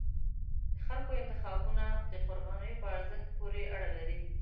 د خلکو انتخابونه د قربانیو په ارزښت پورې اړه لري